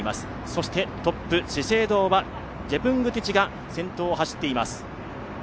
そしてトップ、資生堂はジェプングティチが先頭を走っています。